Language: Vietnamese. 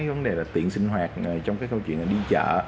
vấn đề là tiện sinh hoạt trong cái câu chuyện đi chợ